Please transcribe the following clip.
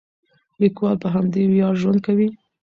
لیکوال په همدې ویاړ ژوند کوي.